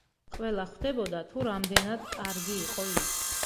ყველა ხვდებოდა, თუ რამდენად კარგი იყო ის.